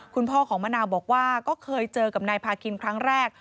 คุณพ่อของมะนาวบอกว่าก็เคยเจอกับนายพาคินครั้งแรก